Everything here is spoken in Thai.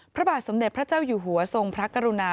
พระบาทสมเด็จพระเจ้าอยู่หัวทรงพระกรุณา